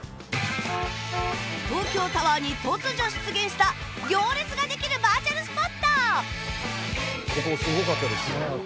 東京タワーに突如出現した行列ができるバーチャルスポット